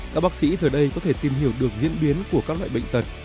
các bác sĩ giờ đây có thể tìm hiểu được diễn biến của các loại bệnh tật